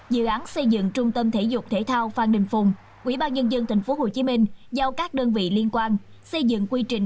dự án xây dựng trung tâm thể dục thể thao phan đình phùng ubnd tp hcm giao các đơn vị liên quan xây dựng quy trình